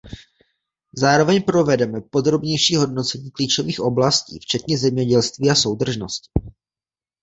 Zároveň provedeme podrobnější hodnocení klíčových oblastí, včetně zemědělství a soudržnosti.